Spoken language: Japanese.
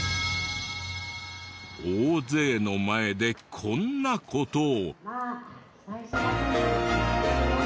大勢の前でこんな事を。